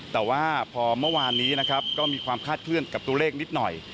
แต่ว่าพอเมื่อวานนี้นะครับก็มีความคาดเคลื่อนกับตัวเลขนิดหน่อย